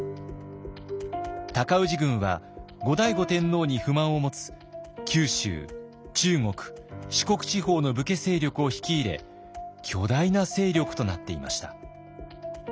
尊氏軍は後醍醐天皇に不満を持つ九州中国四国地方の武家勢力を引き入れ巨大な勢力となっていました。